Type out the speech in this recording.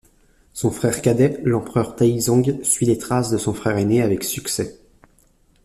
Son frère cadet, l'empereur Taizong, suit les traces de son frère aîné avec succès.